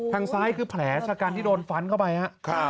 ซ้ายคือแผลชะกันที่โดนฟันเข้าไปครับ